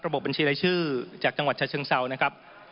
ระบบบัญชีและชื่อจากจังหวัดชะชังเศร้า